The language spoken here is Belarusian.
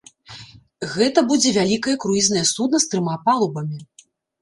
Гэта будзе вялікае круізнае судна з трыма палубамі.